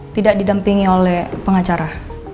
tidak didampingi oleh pengacara